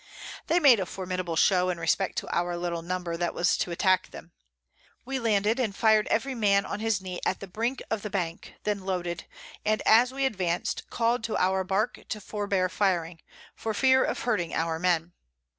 They made a formidable Show in respect to our little Number that was to attack them. We landed, and fired every Man on his Knee at the Brink of the Bank, then loaded, and as we advanced, call'd to our Bark to forbear firing, for fear of hurting our Men.